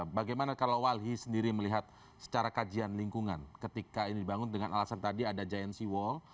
bagaimana kalau walhi sendiri melihat secara kajian lingkungan ketika ini dibangun dengan alasan tadi ada giant sea wall